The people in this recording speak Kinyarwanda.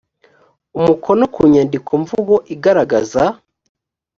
umukono ku nyandikomvugo igaragaza